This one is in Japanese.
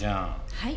はい。